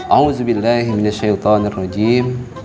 alhamdulillah bimbingan syaitanirrojim